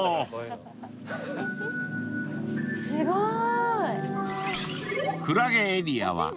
すごーい。